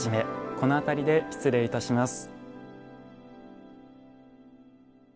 この辺りで失礼いたします。